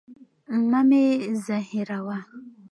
مه مي زهيروه.